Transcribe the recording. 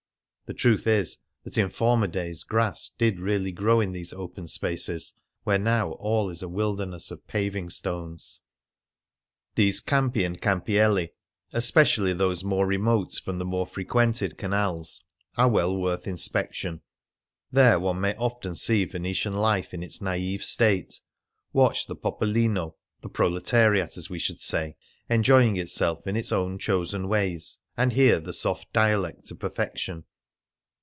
The truth is that in former days grass did really grow in these open spaces, where now all is a wilderness of paving stones. These campi and campielli — especially those more remote from the more frequented canals — are well worth inspection. There one may often see Venetian life in its naive state, watch the popolino — the proletariat, as we should say — enjoying itself in its own chosen ways, and hear the soft dialect to perfection.